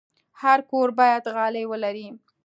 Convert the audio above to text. هر کور باید غالۍ ولري.